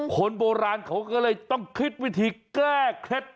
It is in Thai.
คนโบราณเขาก็เลยต้องคิดวิธีแก้เคล็ด